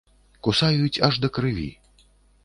Кусаюць аж да крыві.